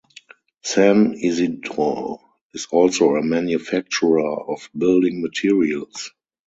San Isidro is also a manufacturer of building materials.